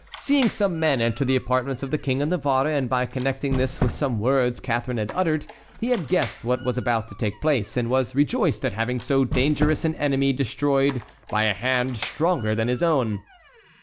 Seeing some men enter the apartments of the King of Navarre, and by connecting this with some words Catharine had uttered, he had guessed what was about to take place, and was rejoiced at having so dangerous an enemy destroyed by a hand stronger than his own.